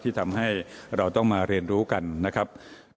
ที่ทำให้เราต้องมาเรียนรู้กันนะครับ